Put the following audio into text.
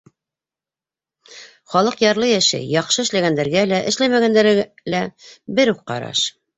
Халыҡ ярлы йәшәй, яҡшы эшләгәндәргә лә, эшләмәгәндәргә лә бер үк ҡараш.